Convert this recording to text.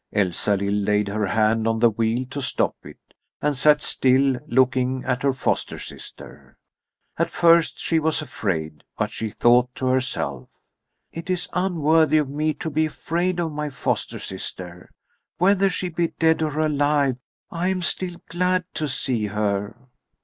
Elsalill laid her hand on the wheel to stop it, and sat still, looking at her foster sister. At first she was afraid, but she thought to herself: "It is unworthy of me to be afraid of my foster sister. Whether she be dead or alive, I am still glad to see her."